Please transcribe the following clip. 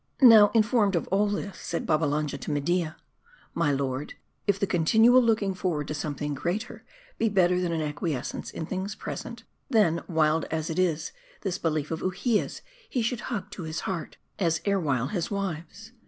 Now, informed of all this, said Babbalanja to Media, " My lord, if the continual looking forward to something greater, be better than an acquiescence in things present ; then, wild as it is, this belief of Uhia's he should hug to his 318 MARDI. heart, as erewhile his wives.